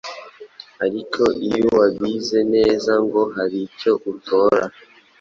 ariko iyo wabize neza ngo haricyo utora